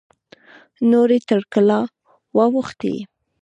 نورې تر کلا واوښتې.